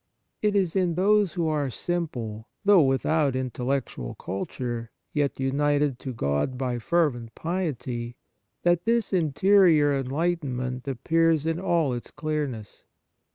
It is in those who are simple, though without intellectual culture, yet united to God by fervent piety, that this interior enlightenment ap pears in all its clearness.